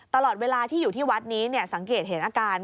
ตลอดเวลาที่อยู่ที่วัดนี้สังเกตเห็นอาการ